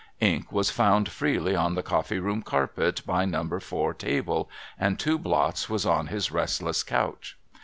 Ink was found freely on the coffee room carpet by No. 4 table, and two blots was on his restless couch.